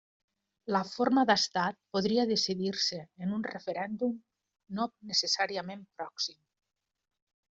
La forma d'estat podria decidir-se en un referèndum no necessàriament pròxim.